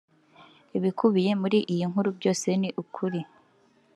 Ibikubiye muri iyi nkuru byose ni ukuri